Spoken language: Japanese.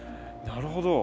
なるほど。